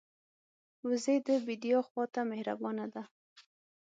وزې د بیدیا خوا ته مهربانه ده